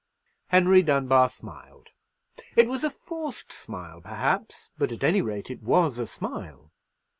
Henry Dunbar smiled. It was a forced smile, perhaps; but, at any rate, it was a smile.